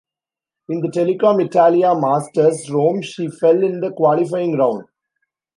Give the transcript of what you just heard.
In the Telecom Italia Masters Rome she fell in the qualifying round.